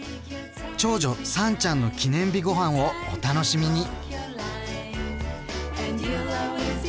長女さんちゃんの記念日ごはんをお楽しみに！